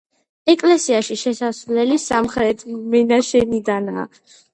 ეკლესიაში შესასვლელი სამხრეთ მინაშენიდანაა.